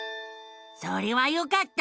それはよかった！